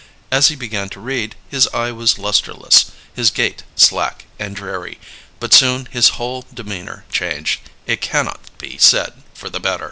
As he began to read, his eye was lustreless, his gait slack and dreary; but soon his whole demeanour changed, it cannot be said for the better.